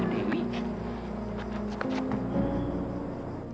saya udah gak apa apa kok